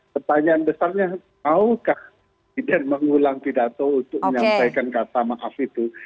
pertanyaan besarnya maukah presiden mengulang pidato untuk menyampaikan kata maaf itu